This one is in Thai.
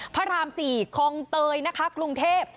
พระราม๔คองเตยกรุงเทพฯ